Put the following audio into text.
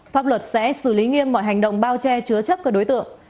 pháp luật sẽ xử lý nghiêm mọi hành động bao che chứa chấp các đối tượng